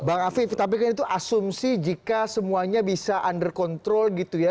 bang afif tapi kan itu asumsi jika semuanya bisa under control gitu ya